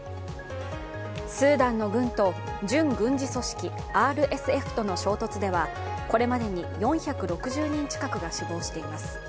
スーダンの軍と準軍事組織ＲＳＦとの衝突ではこれまでに４６０人近くが死亡しています。